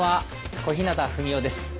小日向文世です。